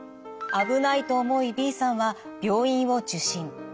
危ないと思いＢさんは病院を受診。